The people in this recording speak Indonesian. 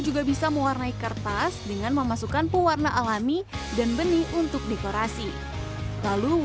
juga bisa mewarnai kertas dengan memasukkan pewarna alami dan benih untuk dekorasi lalu